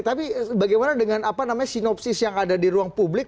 tapi bagaimana dengan apa namanya sinopsis yang ada di ruang publik